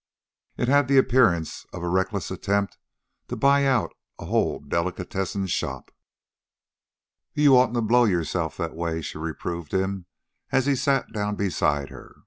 It had the appearance of a reckless attempt to buy out a whole delicatessen shop. "You oughtn't to blow yourself that way," she reproved him as he sat down beside her.